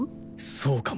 そうかも。